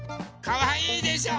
かわいいでしょ？